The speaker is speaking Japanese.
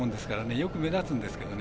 よく目立つんですけど。